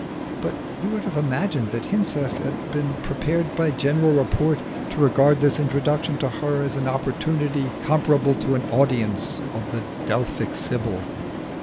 But you would have imagined that Hinze had been prepared by general report to regard this introduction to her as an opportunity comparable to an audience of the Delphic Sibyl.